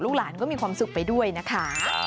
หลานก็มีความสุขไปด้วยนะคะ